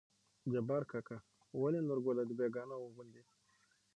جبار کاکا: ولې نورګله د بيګانه وو غوندې